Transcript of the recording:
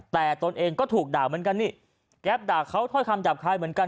แต่ตนเองก็ถูกด่าเหมือนกันนี่แก๊ปด่าเขาถ้อยคำหยาบคายเหมือนกัน